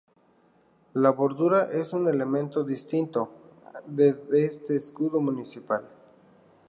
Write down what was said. La bordura es un elemento distintivo de este escudo municipal.